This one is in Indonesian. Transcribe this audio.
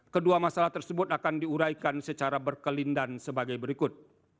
kedua masalah tersebut akan diuraikan secara berkelindan sebagai berikut